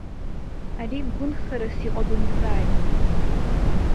Ари гәынхарас иҟабымҵааит.